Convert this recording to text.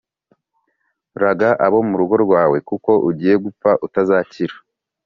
Raga abo mu rugo rwawe kuko ugiye gupfa, utazakira.’»